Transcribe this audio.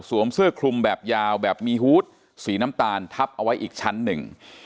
เสื้อคลุมแบบยาวแบบมีฮูตสีน้ำตาลทับเอาไว้อีกชั้นหนึ่ง